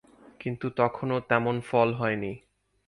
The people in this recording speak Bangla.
কিন্তু তখনও তেমন ফল হয়নি।